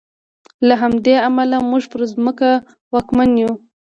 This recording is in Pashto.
له همدې امله موږ پر ځمکه واکمن یو.